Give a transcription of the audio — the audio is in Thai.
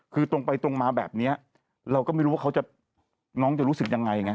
คือตรงไปตรงมาแบบนี้เราก็ไม่รู้ว่าเขาจะน้องจะรู้สึกยังไงไง